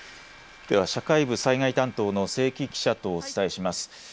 では社会部災害担当の清木記者とお伝えします。